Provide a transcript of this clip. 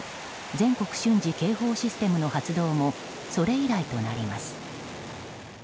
・全国瞬時警報システムの発動も、それ以来となります。